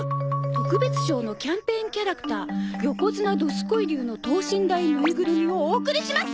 「特別賞のキャンペーンキャラクター横綱ドスコイ龍の等身大ぬいぐるみをお送りします」